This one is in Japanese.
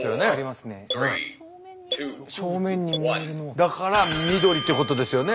だから緑ってことですよね。